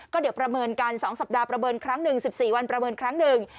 ก็เดี๋ยวประเมินกัน๒สัปดาห์ประเมินครั้งนึง